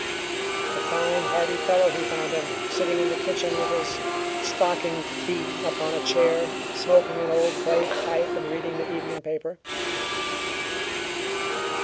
A fine hearty fellow he found him, sitting in the kitchen with his stockinged feet up on a chair, smoking an old clay pipe and reading the evening paper.